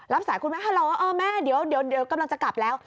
รับสายคุณแม่ฮัลโหลเออแม่เดี๋ยวกำลังจะกลับแล้ว